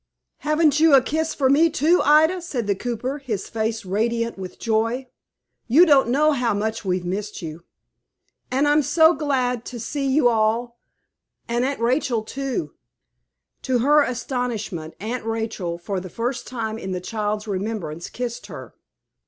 "Haven't you a kiss for me too, Ida?" said the cooper, his face radiant with joy. "You don't know how much we've missed you." "And I'm so glad to sec you all, and Aunt Rachel, too." To her astonishment, Aunt Rachel, for the first time in the child's remembrance, kissed her.